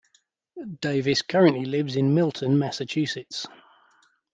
Davis currently lives in Milton, Massachusetts.